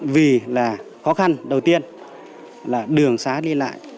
vì là khó khăn đầu tiên là đường xá đi lại